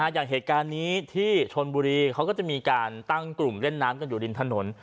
อย่างเหตุการณ์นี้ที่ชนบุรีเขาก็จะมีการตั้งกลุ่มเล่นน้ำกันอยู่ริมถนน